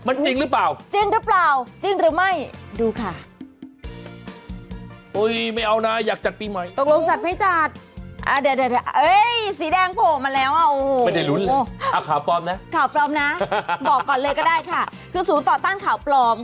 มันจริงหรือเปล่า